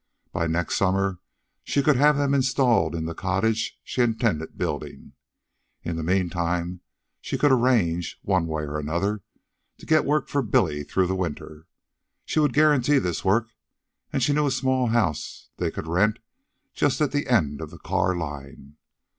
By next summer she could have them installed in the cottage she intended building. In the meantime she could arrange, one way and another, to get work for Billy through the winter. She would guarantee this work, and she knew a small house they could rent just at the end of the car line.